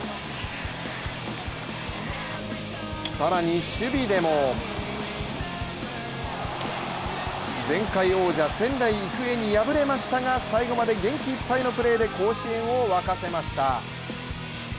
更に守備でも前回王者・仙台育英に敗れましたが最後まで元気いっぱいのプレーで甲子園をわかせました。